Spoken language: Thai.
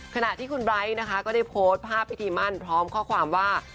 ขณะที่คุณไบร์ทนะคะก็ได้โพสต์ภาพพิธีมั่นพร้อมข้อความว่า